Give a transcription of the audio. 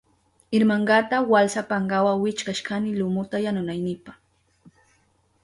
Irmankata walsa pankawa wichkashkani lumuta yanunaynipa.